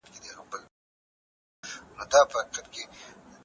موږ بايد د لويانو درناوی وکړو.